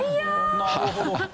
なるほど。